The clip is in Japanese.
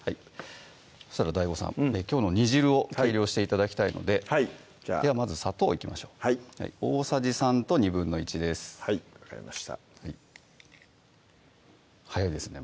そしたらＤＡＩＧＯさんきょうの煮汁を計量して頂きたいのでではまず砂糖いきましょうはい大さじ３と１／２ですはい分かりました早いですね